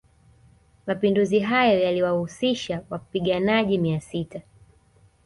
Mapinduzi hayo yaliwahusisha wapaiganaji mia sita